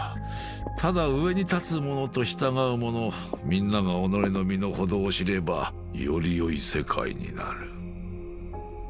ただ上に立つ者と従う者みんなが己の身の程を知ればよりよい世界になる。